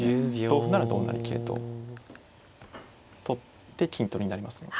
同歩なら同成桂と取って金取りになりますね。